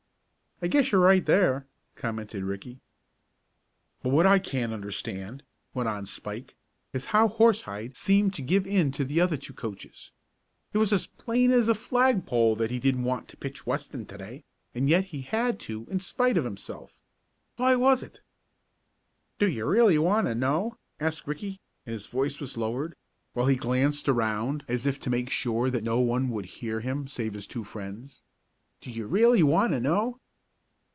"I guess you're right there," commented Ricky. "But what I can't understand," went on Spike, "is how Horsehide seemed to give in to the other two coaches. It was as plain as a flagpole that he didn't want to pitch Weston to day, and yet he had to in spite of himself. Why was it?" "Do you really want to know?" asked Ricky, and his voice was lowered, while he glanced around as if to make sure that no one would hear him save his two friends. "Do you really want to know?"